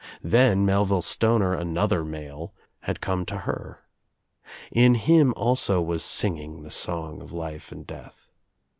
Then Melville Stoner, another male, had come to her. In him also was singing the song of life and death.